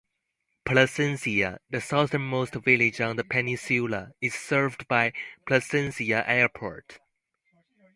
Placencia, the southern-most village on the peninsula, is served by Placencia Airport.